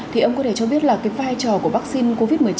thì ông có thể cho biết là cái vai trò của vaccine covid một mươi chín